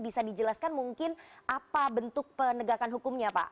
bisa dijelaskan mungkin apa bentuk penegakan hukumnya pak